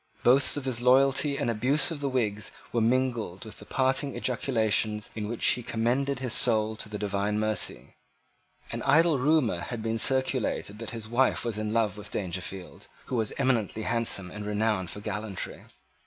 Boasts of his loyalty and abuse of the Whigs were mingled with the parting ejaculations in which he commended his soul to the divine mercy. An idle rumour had been circulated that his wife was in love with Dangerfield, who was eminently handsome and renowned for gallantry.